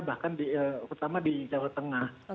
bahkan di pertama di jawa tengah